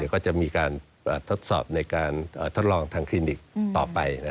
ก็จะมีการทดสอบในการทดลองทางคลินิกต่อไป